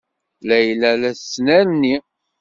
Layla la tettnerni.